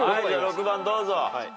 ６番どうぞ。